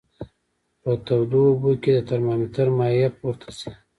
په تودو اوبو کې د ترمامتر مایع پورته ځي.